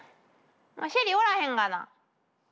シェリおらへんがな。